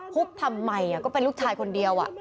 ุบทำไมก็เป็นลูกชายคนเดียว